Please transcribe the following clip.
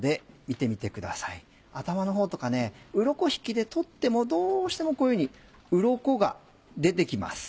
見てみてください頭のほうとかうろこ引きで取ってもどうしてもこういうふうにうろこが出て来ます。